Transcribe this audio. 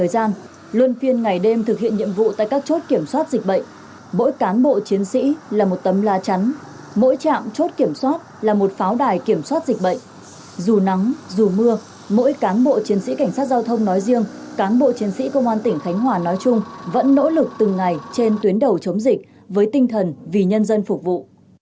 dù nắng dù mưa mỗi cán bộ chiến sĩ cảnh sát giao thông nói riêng cán bộ chiến sĩ công an tỉnh khánh hòa nói chung vẫn nỗ lực từng ngày trên tuyến đầu chống dịch với tinh thần vì nhân dân phục vụ